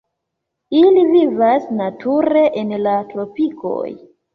Ili vivas nature en la tropikoj.